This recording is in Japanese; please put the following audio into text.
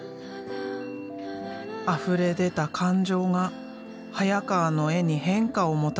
あふれ出た感情が早川の絵に変化をもたらした。